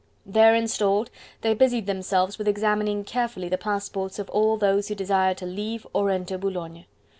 There installed, they busied themselves with examining carefully the passports of all those who desired to leave or enter Boulogne.